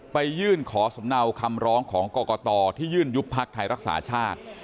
ไปยื่นขอสำนัวคำร้องของกก่ะตอที่ยื่นยุบภักด์ไทยรักษาชาติ